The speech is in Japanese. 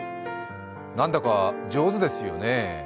なんだか上手ですよね。